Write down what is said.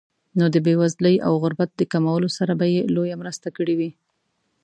نو د بېوزلۍ او غربت د کمولو سره به یې لویه مرسته کړې وي.